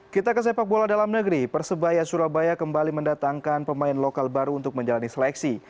kita ke sepak bola dalam negeri persebaya surabaya kembali mendatangkan pemain lokal baru untuk menjalani seleksi